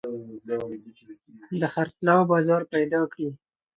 د خرڅلاو بازار پيدا کړي.